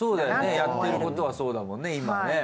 やってることはそうだもんね今ね。